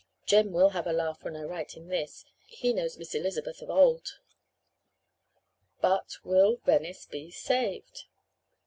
"Jem will have a laugh when I write him this. He knows Miss Elizabeth of old. "But will Venice be saved?"